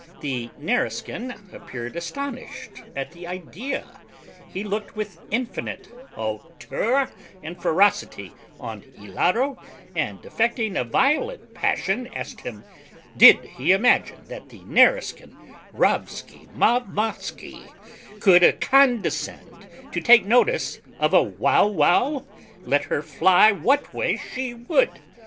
The Nareskin appeared astonished at the idea; he looked with infinite hauteur and ferocity on Hilaro, and affecting a violent passion asked him, "Did he imagine that the Nareskin Rowskimowmowsky could condescend to take notice of a Wauwau, let her fly what way she would!